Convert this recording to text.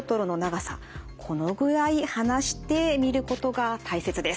このぐらい離して見ることが大切です。